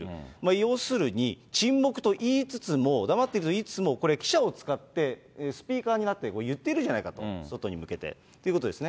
要するに、沈黙といいつつも、黙っているといいつつも、これ、記者を使って、スピーカーになって言っているじゃないかと、外に向けてということですね。